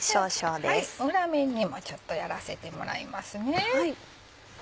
裏面にもちょっとやらせてもらいますね。